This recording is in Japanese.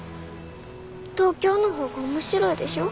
東京の方が面白いでしょ？